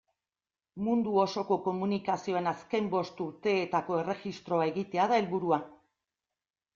Mundu osoko komunikazioen azken bost urteetako erregistroa egitea da helburua.